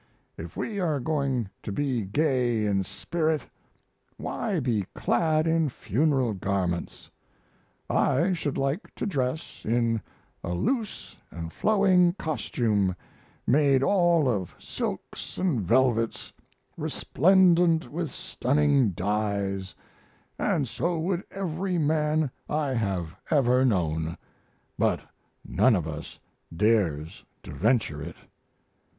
If we are going to be gay in spirit, why be clad in funeral garments? I should like to dress in a loose and flowing costume made all of silks and velvets resplendent with stunning dyes, and so would every man I have ever known; but none of us dares to venture it.